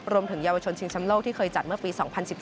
รวมถึงเยาวชนชิงชำโลกที่เคยจัดเมื่อปี๒๐๑๒